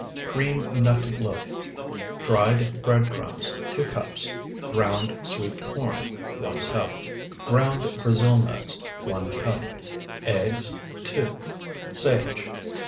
CREAM NUT LOAF Dried bread crumbs, 2 cups. Ground sweet corn, 1 cup. Ground Brazil nuts, 1 cup. Eggs, 2. Sage.